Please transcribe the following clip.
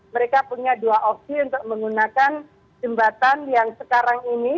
mereka punya dua opsi untuk menggunakan jembatan yang sekarang ini